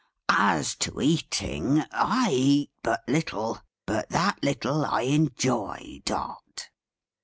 "As to eating, I eat but little; but that little I enjoy, Dot."